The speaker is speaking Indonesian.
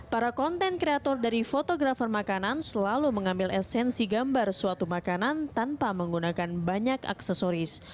para konten kreator dari fotografer makanan selalu mengambil esensi gambar suatu makanan tanpa menggunakan banyak aksesoris